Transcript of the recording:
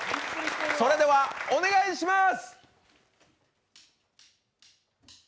それではお願いします。